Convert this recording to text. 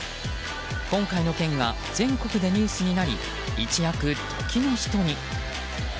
今回の件が全国でニュースになり一躍、時の人に。